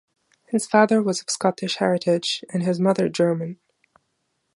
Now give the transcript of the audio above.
His father was of Scottish heritage and his mother German.